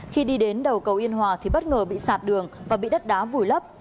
khi đi đến đầu cầu yên hòa thì bất ngờ bị sạt đường và bị đất đá vùi lấp